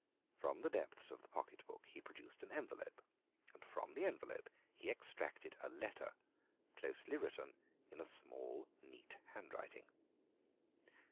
From the depths of the pocket book he produced an envelope, and from the envelope he extracted a letter, closely written in a small, neat handwriting.